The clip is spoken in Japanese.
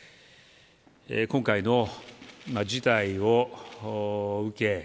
今回の事態を受け